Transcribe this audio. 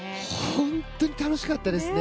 本当に楽しかったですね。